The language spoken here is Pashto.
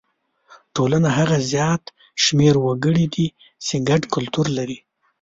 ټولنه هغه زیات شمېر وګړي دي چې ګډ کلتور لري.